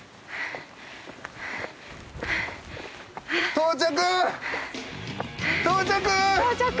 到着！